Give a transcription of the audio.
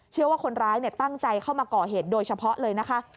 เชื่อว่าคนร้ายตั้งใจเข้ามาก่อเหตุโดยเฉพาะเลยนะคะ